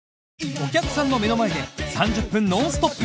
お客さんの目の前で３０分ノンストップ！